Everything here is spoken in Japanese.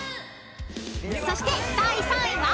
［そして第３位は？］